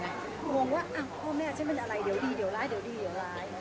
งงว่าพ่อแม่ฉันเป็นอะไรเดี๋ยวดีเดี๋ยวร้ายเดี๋ยวดีเดี๋ยวร้าย